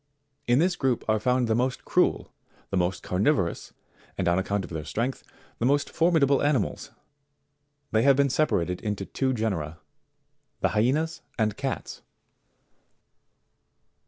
In this group are found the most cruel, the most carnivorous, and on account of their strength, the most formidable animals ; they have been separated into two genera : the HYENAS and CATS.